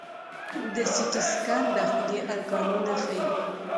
د سی ټي سکین داخلي ارګانونه ښيي.